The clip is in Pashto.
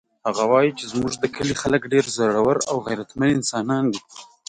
هغه وایي چې زموږ د کلي خلک ډېر زړور او غیرتمن انسانان دي